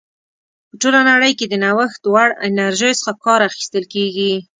په ټوله نړۍ کې د نوښت وړ انرژیو څخه ډېر کار اخیستل کیږي.